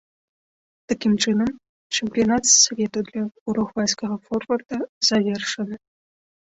Такім чынам, чэмпіянат свету для уругвайскага форварда завершаны.